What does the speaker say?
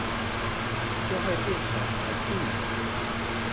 就會變成盆地